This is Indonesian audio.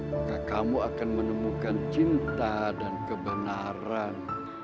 maka kamu akan menemukan cinta dan kebenaran